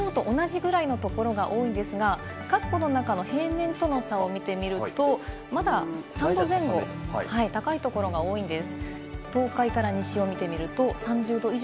きのうと同じぐらいのところが多いんですが、カッコの中の平年との差を見てみると、まだ３度前後、高いところが多いんです。